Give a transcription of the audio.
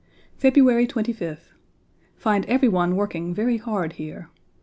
February 25th Find every one working very hard here.